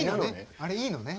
あれいいのね？